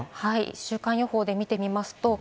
週間予報を見てみます。